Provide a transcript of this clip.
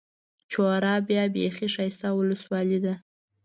چوره بيا بېخي ښايسته اولسوالي ده.